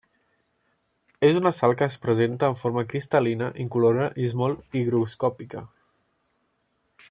És una sal que es presenta en forma cristal·lina incolora i és molt higroscòpica.